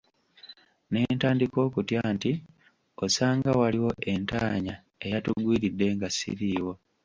Ne ntandika okutya nti osanga waliwo entaanya eyatugwiridde nga siriiwo.